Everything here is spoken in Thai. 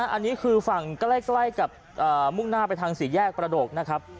อันนี้คือฝั่งใกล้กับมุ่งหน้าไปทางสี่แยกประโดกนะครับ